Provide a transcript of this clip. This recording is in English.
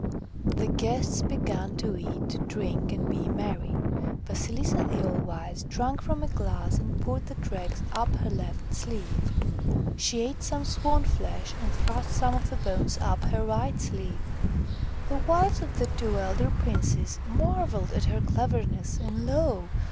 122 THE FROG QUEEN The guests began to eat, drink, and be merry. Vasilisa the All Wise drank from a glass and poured the dregs up her left sleeve. She ate some swan flesh and thrust some of the bones up her right sleeve. The wives of the two elder princes mar velled at her cleverness, and lo